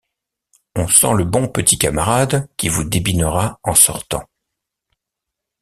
On sent le bon petit camarade qui vous débinera en sortant.